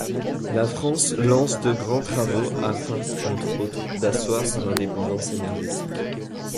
La France lance de grands travaux afin, entre autres, d'asseoir son indépendance énergétique.